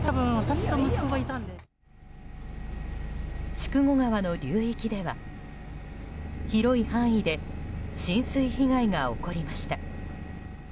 筑後川の流域では、広い範囲で浸水被害が起こりました。